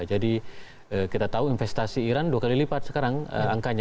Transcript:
jadi kita tahu investasi iran dua kali lipat sekarang angkanya